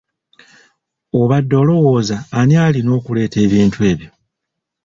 Obadde olowooza ani alina okuleeta ebintu byo?